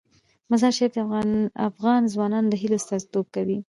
مزارشریف د افغان ځوانانو د هیلو استازیتوب کوي.